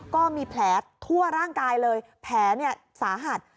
ก็มีแผลทั่วร่างกายเลยแผลสาหัส